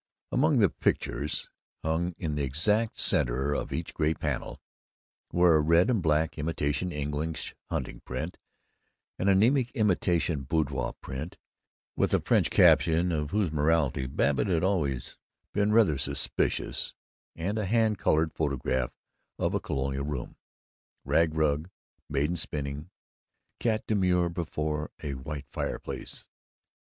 Among the pictures, hung in the exact center of each gray panel, were a red and black imitation English hunting print, an anemic imitation boudoir print with a French caption of whose morality Babbitt had always been rather suspicious, and a "hand colored" photograph of a Colonial room rag rug, maiden spinning, cat demure before a white fireplace.